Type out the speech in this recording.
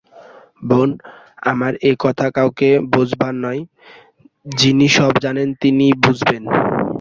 বোন, আমার এ কথা কাউকে বোঝাবার নয়– যিনি সব জানেন তিনিই বুঝবেন।